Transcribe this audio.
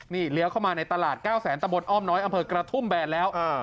นี่เลี้ยวเข้ามาในตลาด๙แสนตะบนอ้อมน้อยอำเภอกระทุ่มแบนแล้ว